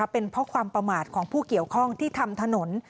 เป็นเพราะความประมาทของผู้เกี่ยวข้องที่ทำถนน